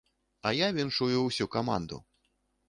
А я віншую ўсю каманду.